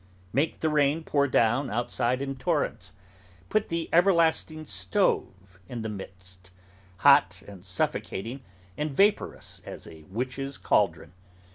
Make the rain pour down, outside, in torrents. Put the everlasting stove in the midst; hot, and suffocating, and vaporous, as a witch's cauldron.